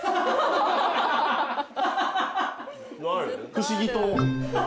不思議と。